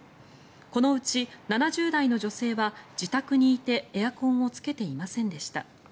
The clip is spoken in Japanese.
このうち７０代の女性は自宅にいてエアコンをつけていませんでした。